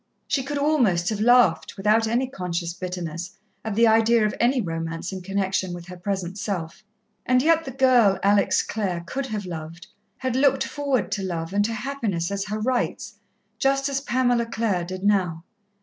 She could almost have laughed, without any conscious bitterness, at the idea of any romance in connection with her present self. And yet the girl, Alex Clare, could have loved had looked forward to love and to happiness as her rights, just as Pamela Clare did now.